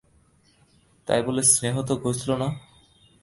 তাই বলে স্নেহ তো ঘুচল না।